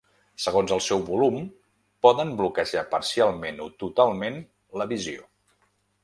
Segons el seu volum poden bloquejar parcialment o totalment la visió.